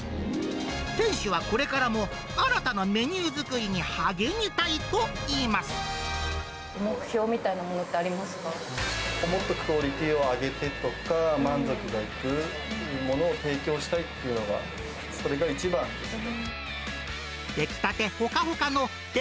店主はこれからも新たなメニュー目標みたいなものってありまとか、満足がいくものを提供したいっていうのが、それが一番ですね。